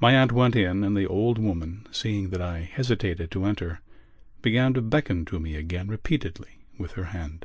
My aunt went in and the old woman, seeing that I hesitated to enter, began to beckon to me again repeatedly with her hand.